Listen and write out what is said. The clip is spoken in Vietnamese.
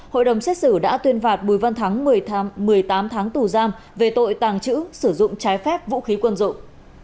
hội đồng xét xử đã tuyên phạt bùi văn thắng một mươi tám tháng tù giam về tội tàng trữ sử dụng trái phép vũ khí quân dụng